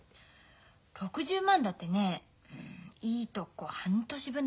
６０万だってねいいとこ半年分だね。